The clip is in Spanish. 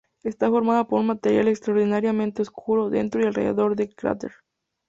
Esta formado por un material extraordinariamente oscuro dentro y alrededor del cráter.